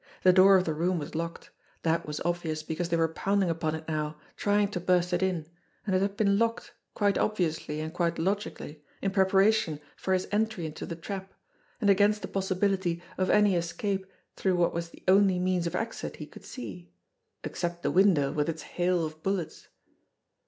The door of the room was locked. That was obvious because they were pounding upon it now, trying to burst it in ; and it had been locked, quite obviously and quite logically, in preparation for his entry into the trap, and against the possibility of any escape through what was the only means of exit he could see except the window with its hail of bullets